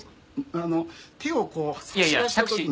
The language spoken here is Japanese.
あの手を差し出した時に。